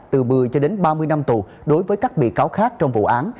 từ một mươi cho đến ba mươi năm tù đối với các bị cáo khác trong vụ án